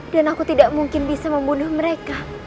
dan aku tidak mungkin bisa membunuh mereka